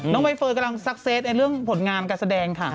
น้องไบเฟิร์นกำลังสัตเซสในเรื่องผลงานกับแสดงค่ะ